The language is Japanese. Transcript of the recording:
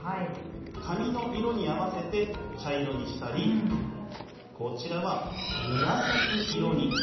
髪の色に合わせて茶色にしたり、こちらは、紫色に。